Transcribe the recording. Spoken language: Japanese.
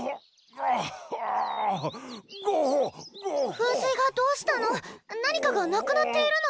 噴水がどうしたの？